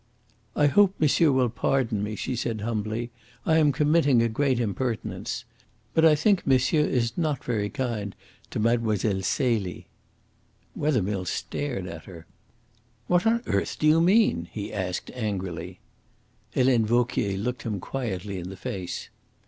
"I hope monsieur will pardon me," she said humbly. "I am committing a great impertinence. But I think monsieur is not very kind to Mlle. Celie." Wethermill stared at her. "What on earth do you mean?" he asked angrily. Helene Vauquier looked him quietly in the face.